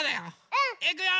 うん！いくよ！